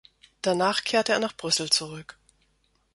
Danach kehrte er nach Brüssel zurück.